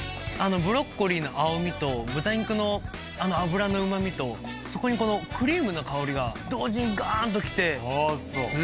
ブロッコリーの青みと豚肉の脂のうま味とそこにこのクリームの香りが同時にガンと来て。